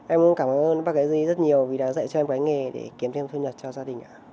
em cảm ơn bác ấy rất nhiều vì đã dạy cho em một cái nghề để kiếm thêm phương nhật cho gia đình ạ